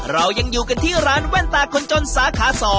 เรายังอยู่กันที่ร้านแว่นตาคนจนสาขา๒